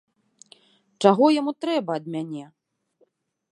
Чаго яму трэба ад мяне?